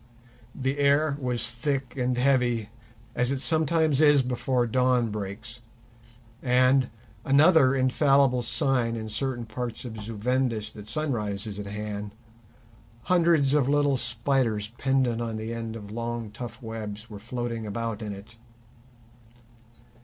The air was thick and heavy, as it sometimes is before the dawn breaks, and—another infallible sign in certain parts of Zu Vendis that sunrise is at hand—hundreds of little spiders pendant on the end of long tough webs were floating about in it.